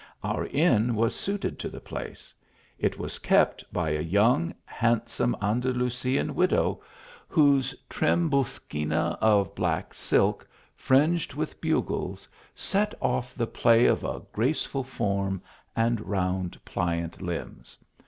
Our inn was suited to the place. It was kept by a young, handsome, Anduiusian widow, whose trim busquina of black silk *> nged with bugles, set off the play of a graceful form, and round pliant limbs.